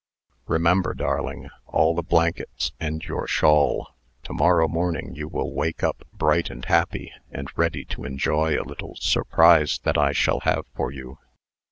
"Remember, darling all the blankets, and your shawl. To morrow morning you will wake up bright and happy, and ready to enjoy a little surprise that I shall have for you."